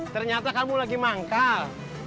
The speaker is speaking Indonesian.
ternyata kamu lagi manggal